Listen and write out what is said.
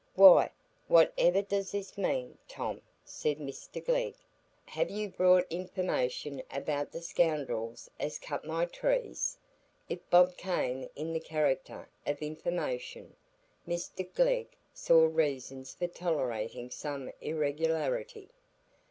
"Why, what ever does this mean, Tom?" said Mr Glegg. "Have you brought information about the scoundrels as cut my trees?" If Bob came in the character of "information," Mr Glegg saw reasons for tolerating some irregularity.